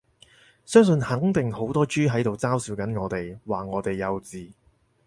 相信肯定好多豬喺度嘲笑緊我哋，話我哋幼稚